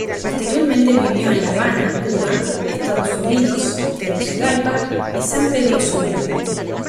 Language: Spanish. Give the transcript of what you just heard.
Posteriormente vivió en La Habana, Cuba, Estados Unidos Tegucigalpa y San Pedro Sula.